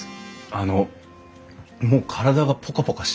あのもう体がポカポカしてきましたね。